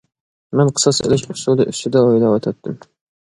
مەن قىساس ئېلىش ئۇسۇلى ئۈستىدە ئويلاۋاتاتتىم.